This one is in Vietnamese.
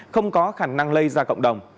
không có khả năng lây ra cộng đồng